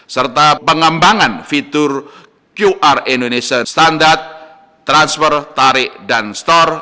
serta pengembangan fitur qr indonesia standar transfer tarik dan store